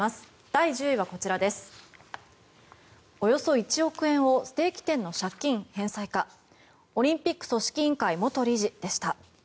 第１０位はおよそ１億円をステーキ店の借金返済かオリンピック組織委員会元理事でした。